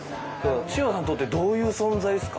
千代田さんにとってどういう存在ですか？